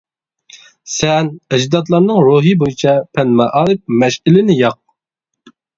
سەن ئەجدادلارنىڭ روھى بويىچە پەن-مائارىپ مەشئىلىنى ياق!